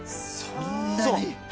そんなに！